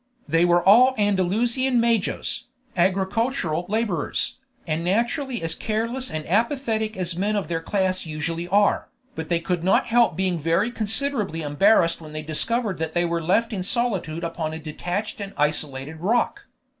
They were all Andalusian majos, agricultural laborers, and naturally as careless and apathetic as men of their class usually are, but they could not help being very considerably embarrassed when they discovered that they were left in solitude upon a detached and isolated rock.